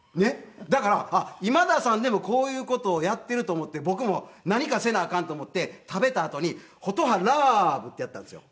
だから今田さんでもこういう事をやっていると思って僕も何かせなあかんと思って食べたあとに「ほとはらーぶ」ってやったんですよ。